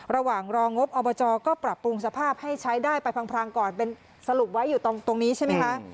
ระหว่างรองบอบจก็ปรับปรุงสภาพให้ใช้ได้ไปพังก่อนเป็นสรุปไว้อยู่ตรงนี้ใช่ไหมคะ